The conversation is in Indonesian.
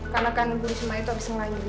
karena kan ibu risma itu habis ngelayurin